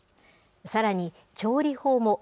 さらに調理法も。